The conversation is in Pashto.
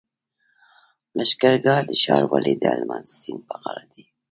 لښکرګاه ښار ولې د هلمند سیند په غاړه دی؟